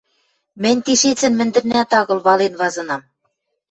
— Мӹнь тишецӹн мӹндӹрнӓт агыл вален вазынам...